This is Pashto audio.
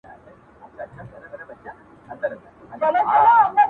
• ستوري هم سترګک وهي په مینه مینه..